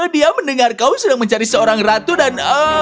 dia mendengar kau sedang mencari seorang ratu dan